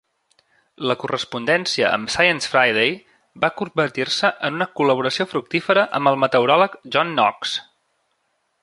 La correspondència amb "Science Friday" va convertir-se en una col·laboració fructífera amb el meteoròleg John Knox.